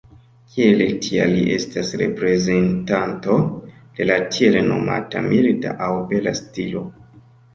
Kiel tia li estas reprezentanto de la tiel nomata milda aŭ bela stilo.